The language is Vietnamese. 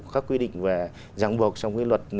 các quy định và giảng buộc trong cái luật